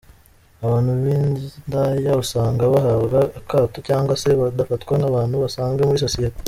Abantu b’indaya usanga bahabwa akato cyangwa se badafatwa nk’abantu basanzwe muri sosiyete.